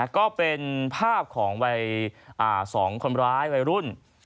ก็เป็นภาพของวัย๒คนร้ายวัยรุ่น